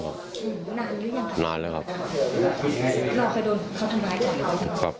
ครับเมาครับเมาครับ